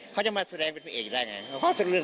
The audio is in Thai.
เขาจะมาแสดงเป็นผู้เห็กได้อย่างไร